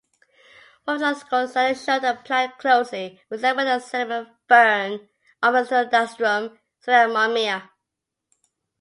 Morphological studies showed that the plant closely resembles the cinnamon fern, Osmundastrum cinnamomea.